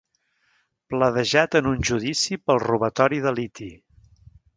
Pledejat en un judici pel robatori de liti.